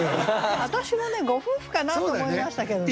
私もねご夫婦かなと思いましたけどね。